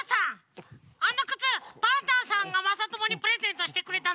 あのくつパンタンさんがまさともにプレゼントしてくれたの？